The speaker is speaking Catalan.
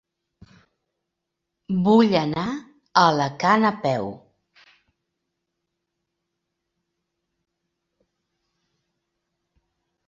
Vull anar a Alacant a peu.